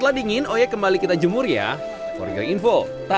yang lebih cepat